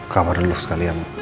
kamar dulu sekalian